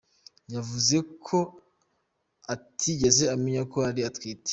Yavuze ko atigeze amenya ko yari atwite.